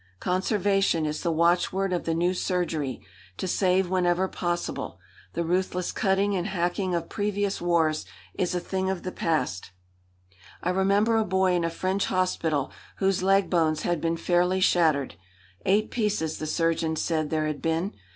Conservation is the watchword of the new surgery, to save whenever possible. The ruthless cutting and hacking of previous wars is a thing of the past. I remember a boy in a French hospital whose leg bones had been fairly shattered. Eight pieces, the surgeon said there had been.